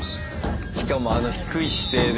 しかもあの低い姿勢で。